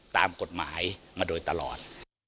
ตามกฎหมายมาโดยตลอด